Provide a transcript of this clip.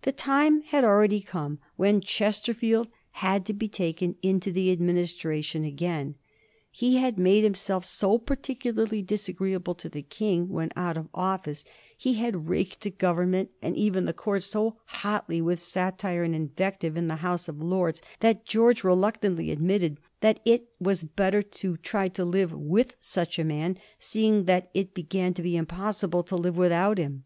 The time had already come when Chesterfield had to be taken into the Administration again. He had made himself so particularly disagreeable to the King when out of office, he had raked the Government, and even the Court, so hotly with satire and invective in the House of Lords, that George reluctantly admitted that it was bet ter to try to live with such a man, seeing that it began to be impossible to live without him.